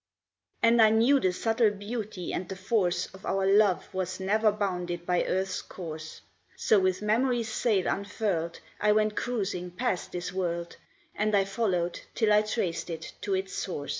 And I knew the subtle beauty and the force Of our love was never bounded by Earth's course. So with Memory's sail unfurled, I went cruising past this world, And I followed till I traced it to its source.